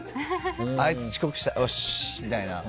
あいつ遅刻したよしっ！みたいな。